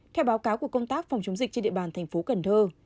theo báo cáo của công tác phòng chống dịch trên địa bàn thành phố cần thơ